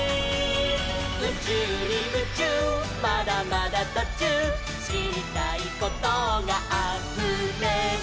「うちゅうにムチューまだまだとちゅう」「しりたいことがあふれる」